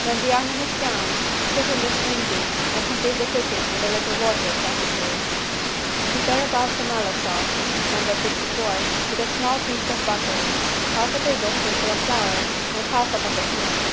When the onion is browned put in the string beans and complete the cooking with a little water if necessary. Prepare a =Balsamella= sauce (No. 54) with a small piece of butter, half a teaspoonful of flour and half a cup of milk.